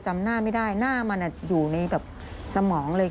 จำหน้าไม่ได้หน้ามันอยู่ในแบบสมองเลย